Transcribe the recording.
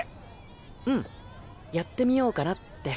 うんやってみようかなって。